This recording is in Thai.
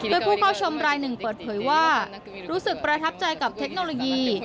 โดยผู้เข้าชมรายหนึ่งเปิดเผยว่ารู้สึกประทับใจกับเทคโนโลยี